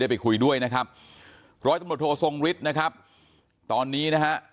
ได้ไปคุยด้วยนะครับร้อยโทรทรงฤทธิ์นะครับตอนนี้นะฮะ